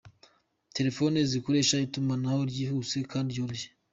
Telefone zikoresha itumanaho ryihuse kandi ryoroshye